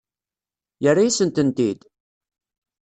Yerra-yasent-tent-id?